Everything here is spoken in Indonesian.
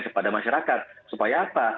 kepada masyarakat supaya apa